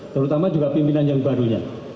terutama juga pimpinan yang barunya